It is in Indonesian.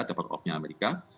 tapering off nya amerika